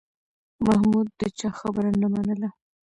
محمود د چا خبره نه منله